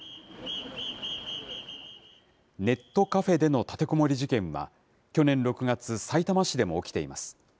ネットカフェでの立てこもり事件は、去年６月、さいたま市でも起きています。